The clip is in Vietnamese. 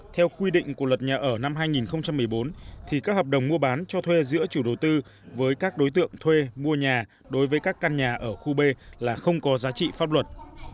theo quy định của luật nhà ở năm hai nghìn một mươi bốn các hợp đồng mua bán cho thuê giữa chủ đầu tư với các đối tượng thuê mua nhà đối với các căn nhà ở khu b là không có giá trị pháp luật